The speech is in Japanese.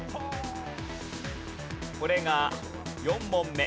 これが４問目。